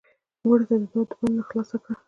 مړه ته د دوعا د بند نه خلاص کړه